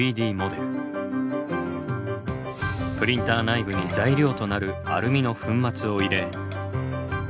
プリンター内部に材料となるアルミの粉末を入れ。